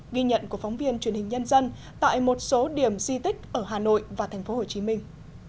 ghi nhận của phóng viên truyền hình nhân dân tại một số điểm di tích ở hà nội và thành phố hồ chí minh